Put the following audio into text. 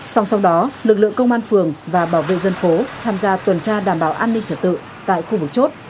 song song đó lực lượng công an phường và bảo vệ dân phố tham gia tuần tra đảm bảo an ninh trật tự tại khu vực chốt